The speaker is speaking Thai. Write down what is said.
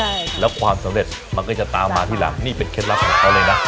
ใช่แล้วความสำเร็จมันก็จะตามมาที่หลังนี่เป็นเคล็ดลับของเขาเลยนะ